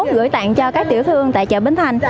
gửi tặng cho các tiểu thương tại chợ bến thành